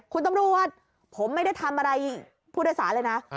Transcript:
คุณตำรวจผมไม่ได้ทำอะไรผู้โดยสารเลยนะ